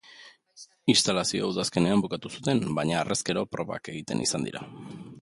Instalazioa udazkenean bukatu zuten, baina harrezkero probak egiten izan dira.